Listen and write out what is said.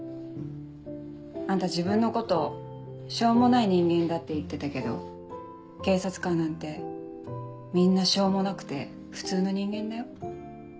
あんた自分のことしょうもない人間だって言ってたけど警察官なんてみんなしょうもなくて普通の人間だよ。